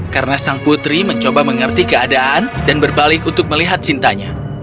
karena sang putri mencoba mengerti keadaan dan berbalik untuk melihat cintanya